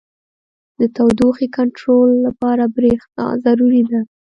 • د تودوخې کنټرول لپاره برېښنا ضروري ده.